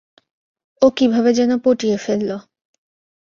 ও কীভাবে যেন পটিয়ে ফেলল।